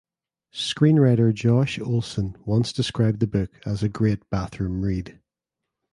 Screenwriter Josh Olson once described the book as "a great bathroom read".